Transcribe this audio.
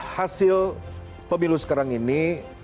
hasil pemilu sekarang ini